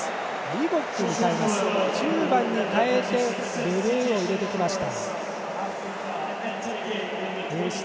リボック、１０番に代えてルルーを入れてきました。